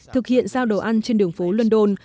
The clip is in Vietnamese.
thực hiện giao đồ ăn trên đường phố london